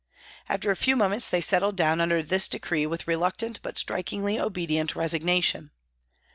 After a few moments they settled down under this decree with reluctant but strikingly obedient resignation.